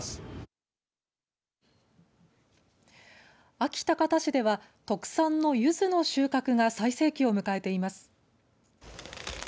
安芸高田市では特産のゆずの収穫が最盛期を迎えています。